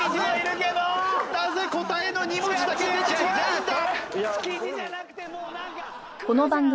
なぜ答えの２文字だけ出てこないんだ。